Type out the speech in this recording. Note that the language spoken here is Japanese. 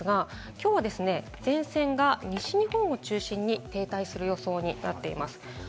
きょうは前線が西日本を中心に停滞する予想になっています。